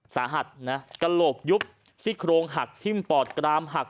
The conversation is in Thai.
สาหัสนะกระโหลกยุบซี่โครงหักทิ้มปอดกรามหัก